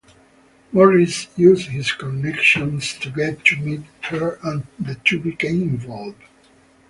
Morris used his connections to get to meet her and the two became involved.